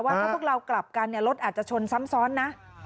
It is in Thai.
ถ้าพวกเรากลับกันรถอาจจะชนซ้ำซ้อนนะ